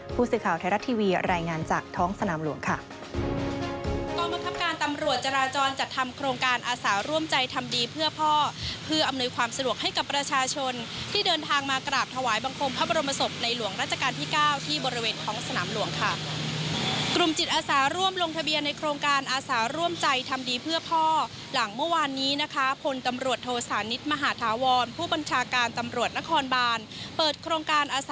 ผู้สื่อข่าวไทยรัฐทีวีรายงานจากท้องสนามหลวงค่ะ